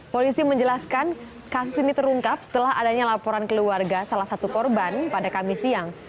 polisi menjelaskan kasus ini terungkap setelah adanya laporan keluarga salah satu korban pada kamis siang